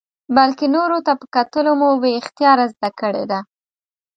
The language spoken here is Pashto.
بلکې نورو ته په کتلو مو بې اختیاره زده کړې ده.